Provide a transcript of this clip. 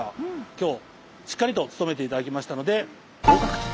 今日しっかりと務めて頂きましたので合格と。